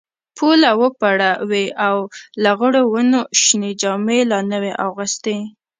پوله وپړه وې او لغړو ونو شنې جامې لا نه وې اغوستي.